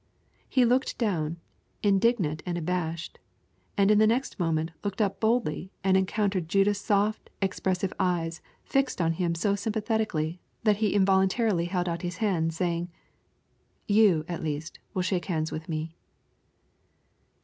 He looked down, indignant and abashed, and in the next moment looked up boldly and encountered Judith's soft, expressive eyes fixed on him so sympathetically that he involuntarily held out his hand, saying: "You, at least, will shake hands with me."